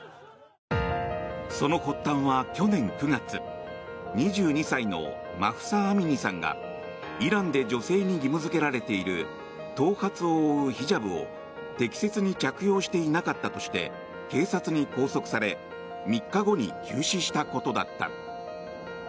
その発端は去年９月２２歳のマフサ・アミニさんがイランで女性に義務付けられている頭髪を覆うヒジャブを適切に着用していなかったとして警察に拘束され３日後に急死したことだった。